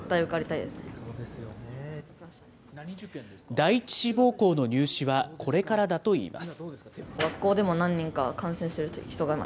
第１志望校の入試はこれからだといいます。